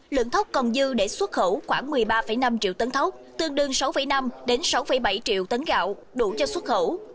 lượng thốc còn dư để xuất khẩu khoảng một mươi ba năm triệu tấn thốc tương đương sáu năm sáu bảy triệu tấn gạo đủ cho xuất khẩu